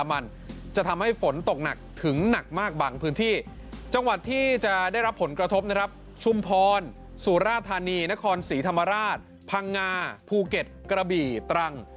สุราธานีนครศรีธรรมราชพังงาภูเก็ตกระบี่ตรัง